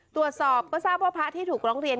ตรวจสอบก็ทราบว่าพระที่ถูกร้องเรียน